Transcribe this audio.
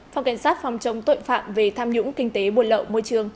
phòng cảnh sát phòng chống tội phạm về tham nhũng kinh tế buồn lậu môi trường